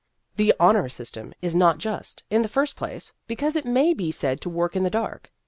The " Honor System" is not just, in the first place, because it may be said to work in the dark.